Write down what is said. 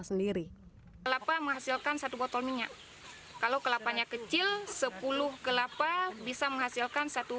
sendiri kelapa menghasilkan satu botol minyak kalau kelapanya kecil sepuluh kelapa bisa menghasilkan satu